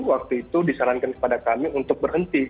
waktu itu disarankan kepada kami untuk berhenti